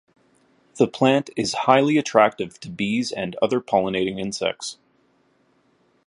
The plant is highly attractive to bees and other pollinating insects.